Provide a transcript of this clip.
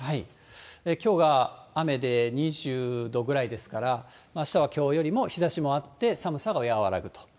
きょうが雨で２０度ぐらいですから、あしたはきょうより日ざしもあって、寒さが和らぐと。